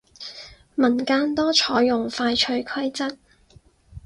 民間多採用快脆規則